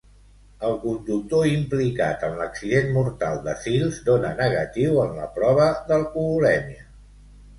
El conductor implicat en l'accident mortal de Sils dona negatiu en la prova d'alcoholèmia.